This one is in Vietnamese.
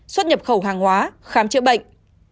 xuất nhập khẩu hàng hóa khám chữa bệnh